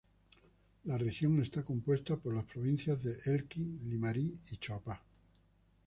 La región está compuesta por las provincias de Elqui, Limarí y Choapa.